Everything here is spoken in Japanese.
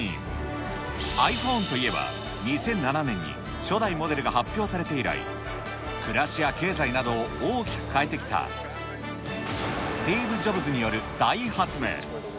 ｉＰｈｏｎｅといえば、２００７年に初代モデルが発表されて以来、暮らしや経済などを大きく変えてきた、スティーブ・ジョブズによる大発明。